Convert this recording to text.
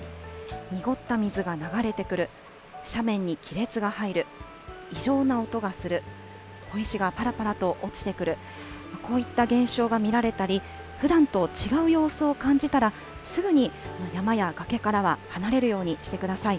濁った水が流れてくる、斜面に亀裂が入る、異常な音がする、小石がぱらぱらと落ちてくる、こういった現象が見られたり、ふだんと違う様子を感じたら、すぐに山や崖からは離れるようにしてください。